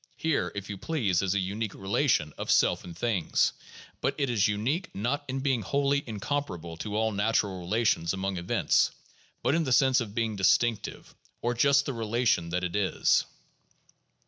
Here, if you please, is a unique relation of self and things, but it is unique, not in being wholly incomparable to all natural relations among events, but in the sense of being distinctive, or just the rela tion that it is.